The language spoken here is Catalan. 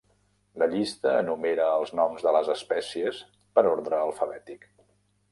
La llista enumera els noms de les espècies per ordre alfabètic.